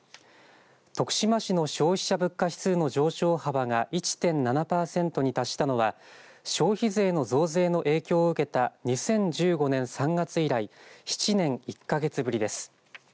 徳島市の消費者物価指数の上昇幅が１．７パーセントに達したのは消費税の増税の影響を受けた２０１５年３月以来７年１か月ぶりです。